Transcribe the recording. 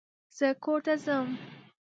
زه کور ته ځم